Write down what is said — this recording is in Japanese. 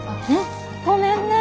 ごめんね。